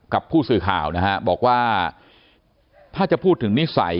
กับผู้สื่อข่าวนะฮะบอกว่าถ้าจะพูดถึงนิสัย